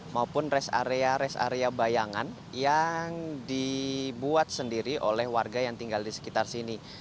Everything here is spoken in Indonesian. maupun rest area rest area bayangan yang dibuat sendiri oleh warga yang tinggal di sekitar sini